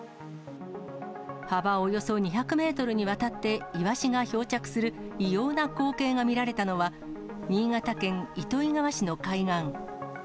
幅およそ２００メートルにわたってイワシが漂着する異様な光景が見られたのは、新潟県糸魚川市の海岸。